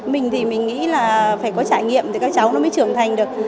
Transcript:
mình thì mình nghĩ là phải có trải nghiệm thì các cháu nó mới trưởng thành được